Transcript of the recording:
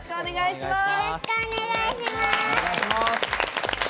お願いします。